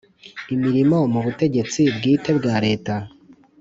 imirimo mu Butegetsi Bwite bwa Leta